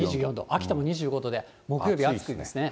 秋田も２５度で、木曜日暑くなりますね。